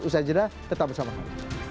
usai jeda tetap bersama kami